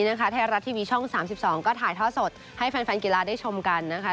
ไทยรัฐทีวีช่อง๓๒ก็ถ่ายท่อสดให้แฟนกีฬาได้ชมกันนะคะ